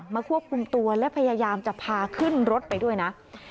ควบคุมตัวและพยายามจะพาขึ้นรถไปด้วยนะ